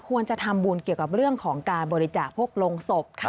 ควรจะทำบุญเกี่ยวกับเรื่องของการบริจาคพวกโรงศพ